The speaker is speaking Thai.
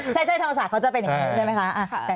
ใช่ธรรมศาสตร์เขาจะเป็นอย่างนี้ใช่ไหมคะ